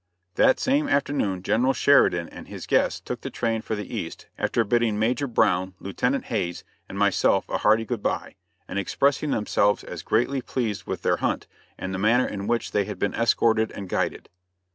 That same afternoon General Sheridan and his guests took the train for the East, after bidding Major Browa, Lieutenant Hayes and myself a hearty good bye, and expressing themselves as greatly pleased with their hunt, and the manner in which they had been escorted and guided.